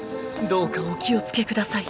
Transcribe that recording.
［どうかお気を付けください］